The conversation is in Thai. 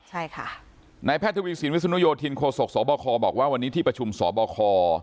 ใช่ค่ะนายแพทย์ทวีสินวิศนุโยธินโคศกสบคบอกว่าวันนี้ที่ประชุมสบค